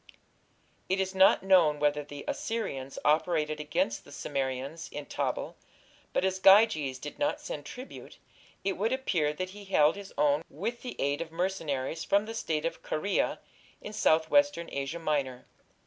It is not known whether the Assyrians operated against the Cimmerians in Tabal, but, as Gyges did not send tribute, it would appear that he held his own with the aid of mercenaries from the State of Caria in southwestern Asia Minor.